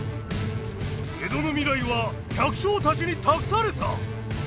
江戸の未来は百姓たちに託された！